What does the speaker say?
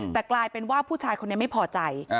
แต่กลายเป็นว่าผู้ชายคนนี้ไม่พอใจ